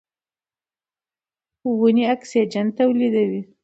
ونې اکسیجن تولیدوي.